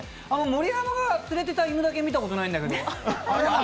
盛山が連れてた犬だけ見たことないんだけど。